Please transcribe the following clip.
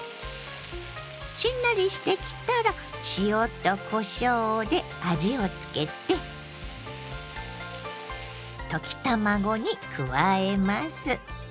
しんなりしてきたら塩とこしょうで味をつけて溶き卵に加えます。